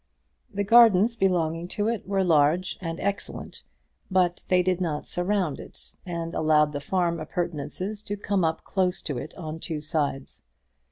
The gardens belonging to it were large and excellent; but they did not surround it, and allowed the farm appurtenances to come close up to it on two sides.